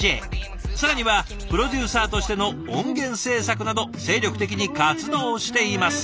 更にはプロデューサーとしての音源制作など精力的に活動しています。